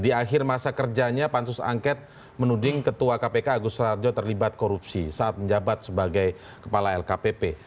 di akhir masa kerjanya pansus angket menuding ketua kpk agus rarjo terlibat korupsi saat menjabat sebagai kepala lkpp